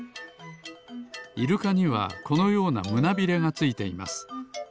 イルカにはこのようなむなびれがついています。